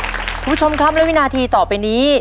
คุณผู้ชมครับและวินาทีต่อไปนี้